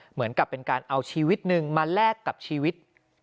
เหมือนกับเป็นการเอาชีวิตหนึ่งมาแลกกับชีวิต